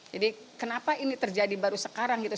jadi kenapa ini terjadi baru sekarang gitu